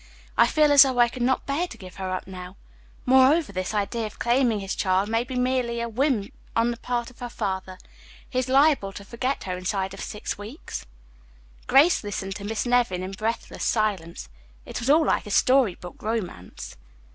I feel as though I could not bear to give her up now. Moreover, this idea of claiming his child may be merely a whim on the part of her father. He is liable to forget her inside of six weeks." Grace listened to Miss Nevin in breathless silence. It was all like a story book romance.